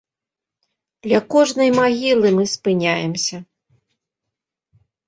Ля кожнай магілы мы спыняемся.